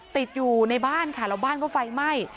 ติดอยู่ในบ้านค่ะแล้วบ้านก็ไฟไหม้